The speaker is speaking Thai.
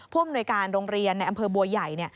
อำนวยการโรงเรียนในอำเภอบัวใหญ่